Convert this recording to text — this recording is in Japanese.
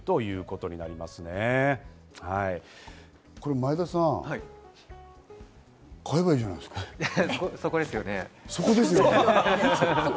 これ前田さん、買えばいいじゃないですか。